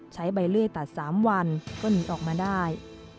ใช้ใบเลื่อยตัด๓วันก็หนีออกมาได้